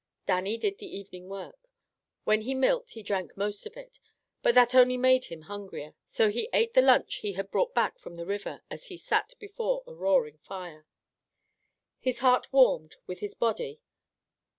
Dannie did the evening work. When he milked he drank most of it, but that only made him hungrier, so he ate the lunch he had brought back from the river, as he sat before a roaring fire. His heart warmed with his body.